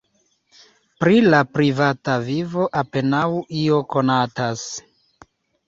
Pri la privata vivo apenaŭ io konatas.